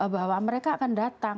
bahwa mereka akan datang